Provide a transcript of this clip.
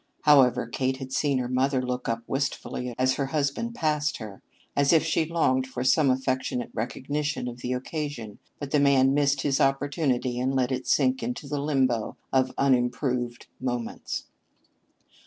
However, Kate had seen her mother look up wistfully as her husband passed her, as if she longed for some affectionate recognition of the occasion, but the man missed his opportunity and let it sink into the limbo of unimproved moments.